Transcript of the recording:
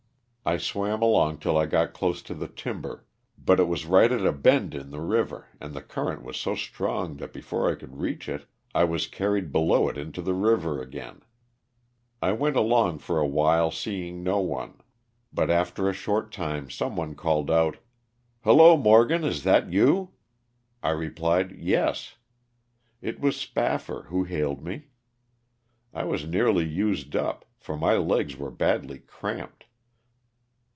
I swam along till I got close to the timber, but it was right at a bend in the river and the current was so strong that before I could reach it I was carried below it into the river again. I went along for awhile seeing no one, but after a 260 LOSS OF THE SULTANA. short time some one called out, " Hello, Morgan, is that you?" I replied, "yes." It was Spaffar who hailed me. I was nearly used up, for my legs were badly cramped.